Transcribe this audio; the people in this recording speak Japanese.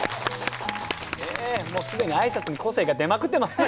もう既に挨拶に個性が出まくってますね。